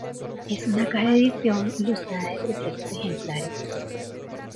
Es una cara edición ilustrada de trescientos ejemplares.